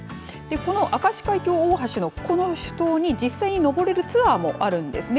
この明石海峡大橋のこの主塔に実際に上れるツアーもあるんです。